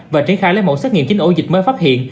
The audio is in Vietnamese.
và triển khai lấy mẫu xét nghiệm chín ổ dịch mới phát hiện